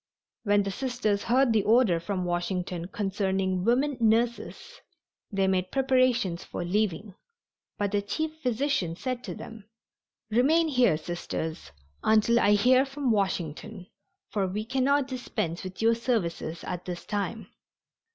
When the Sisters heard the order from Washington concerning "women nurses," they made preparations for leaving, but the chief physician said to them: "Remain here, Sisters, until I hear from Washington, for we cannot dispense with your services at this time."